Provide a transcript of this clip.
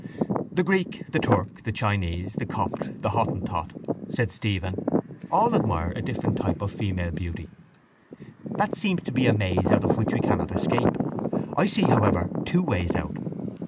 —The Greek, the Turk, the Chinese, the Copt, the Hottentot, said Stephen, all admire a different type of female beauty. That seems to be a maze out of which we cannot escape. I see, however, two ways out.